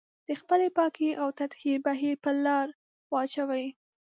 د خپلې پاکي او تطهير بهير په لار واچوي.